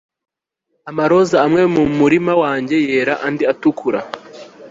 amaroza amwe mumurima wanjye yera, andi atukura